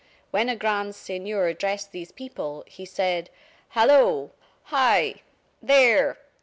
When a grand seigneur addressed these people, he said: "Halloo! hi, there!